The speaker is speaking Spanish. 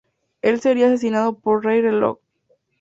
El sería asesinado por Rey Reloj.